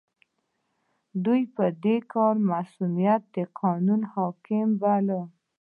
دوی د دې کار مصؤنيت د قانون حکم بولي.